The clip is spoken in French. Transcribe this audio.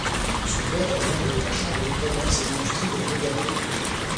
Son père est membre de la chambre de commerce et d'industrie de la mégapole.